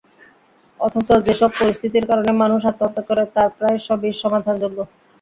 অথচ যেসব পরিস্থিতির কারণে মানুষ আত্মহত্যা করে, তার প্রায় সবই সমাধানযোগ্য।